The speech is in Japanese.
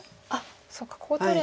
そっかここ取れば。